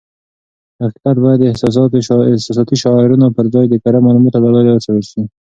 حقیقت بايد د احساساتي شعارونو پر ځای د کره معلوماتو له لارې وڅېړل شي.